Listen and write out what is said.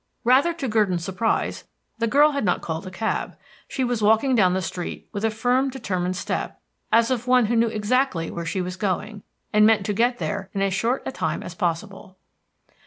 Rather to Gurdon's surprise, the girl had not called a cab. She was walking down the street with a firm, determined step, as of one who knew exactly where she was going, and meant to get there in as short a time as possible.